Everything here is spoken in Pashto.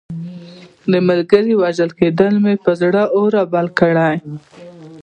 د ملګري وژل کېدو مې پر زړه اور رابل کړ.